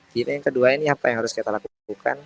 jadi yang kedua ini apa yang harus kita lakukan